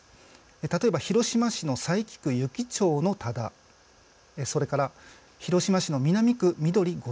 例えば広島市の佐伯区湯来町の多田それから広島市の南区翠５